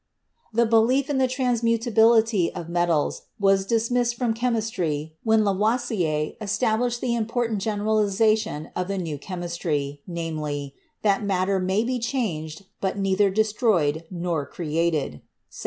The belief in the transmutability of metals was dis missed from chemistry when Lavoisier established the important generalization of the new chemistry, namely, that matter may be changed, but neither destroyed nor created (1770).